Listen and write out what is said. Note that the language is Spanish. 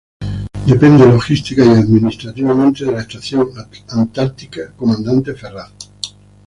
Depende logística y administrativamente de la Estación Antártica Comandante Ferraz.